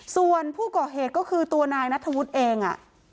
ส่วนผู้ก่อเหตุก็คือตัวนายนัทธวุฒิเอง